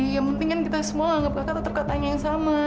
yang penting kan kita semua anggap kakak tetap katanya yang sama